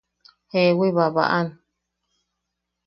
–Jewi, babaʼam.